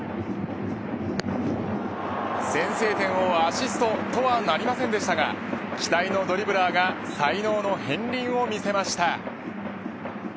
先制点をアシストとはなりませんでしたが期待のドリブラーが才能の片りんを見せました。